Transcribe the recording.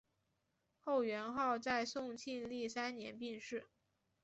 后元昊在宋庆历三年病逝。